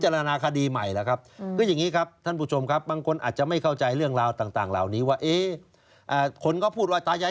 ใช่คือรู้แค่ว่าตายอย่าเก็บเห็ดแล้วติดคุก๑๕ปี